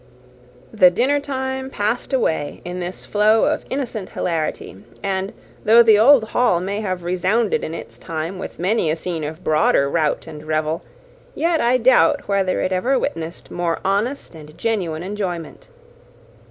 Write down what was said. The dinner time passed away in this flow of innocent hilarity; and, though the old hall may have resounded in its time with many a scene of broader rout and revel, yet I doubt whether it ever witnessed more honest and genuine enjoyment.